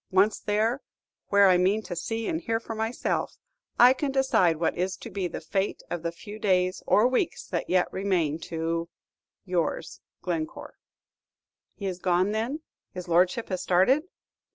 Once there, where I mean to see and hear for myself, I can decide what is to be the fate of the few days or weeks that yet remain to Yours, Glencore. "He is gone, then, his Lordship has started?"